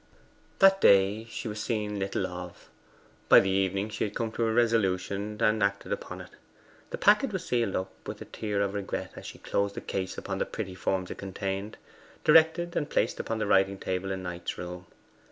That day she was seen little of. By the evening she had come to a resolution, and acted upon it. The packet was sealed up with a tear of regret as she closed the case upon the pretty forms it contained directed, and placed upon the writing table in Knight's room.